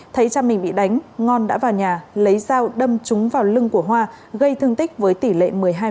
thấy cha mình bị đánh ngon đã vào nhà lấy dao đâm trúng vào lưng của hoa gây thương tích với tỷ lệ một mươi hai